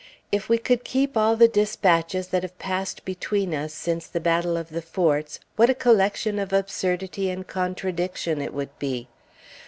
If we could keep all the dispatches that have passed between us since the battle of the forts, what a collection of absurdity and contradiction it would be!